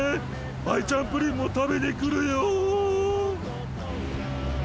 アイちゃんプリンも食べに来るよ！